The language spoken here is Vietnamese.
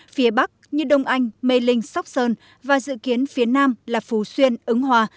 phía bắc như đông anh mê linh sóc sơn và dự kiến phía nam là phú xuyên ứng hòa